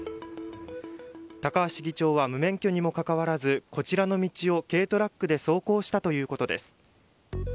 高橋議長は無免許にもかかわらずこちらの道を軽トラックで走行したということです。